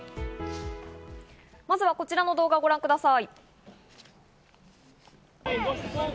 まずはこちらの動画をご覧ください。